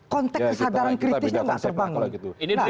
konteks kesadaran kritisnya nggak terbangun